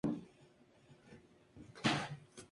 Disputó tres encuentros con la Selección de fútbol de España.